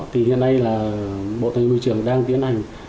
thì hiện nay là bộ tài nguyên môi trường đang tiến hành